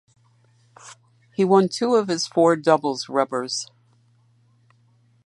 He won two of his four doubles rubbers.